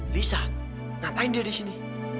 bisa ngapain dia di sini